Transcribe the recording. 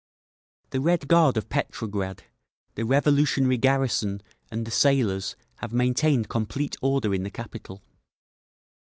The Red Guard of Petrograd, the revolutionary garrison and the sailors have maintained complete order in the capital.